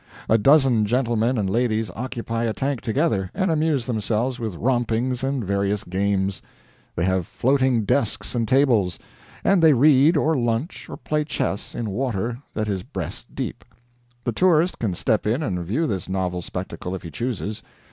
A dozen gentlemen and ladies occupy a tank together, and amuse themselves with rompings and various games. They have floating desks and tables, and they read or lunch or play chess in water that is breast deep. The tourist can step in and view this novel spectacle if he chooses.